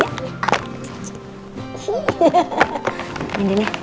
yang ini ya